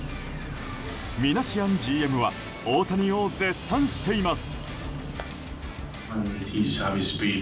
ミナシアンＧＭは大谷を絶賛しています。